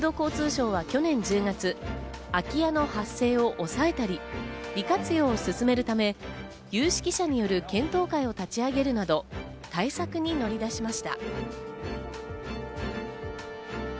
国土交通省は去年１０月、空き家の発生を抑えたり、利活用を進めるため、有識者による検討会を立ち上げるなど、対策に乗り出しました。